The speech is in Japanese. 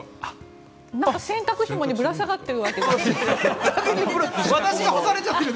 洗濯ひもにぶら下がっている。